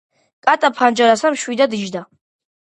კატა ფანჯარასთან მშვიდად იჯდა.